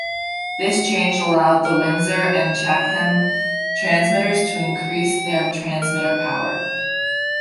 This change allowed the Windsor and Chatham transmitters to increase their transmitter power.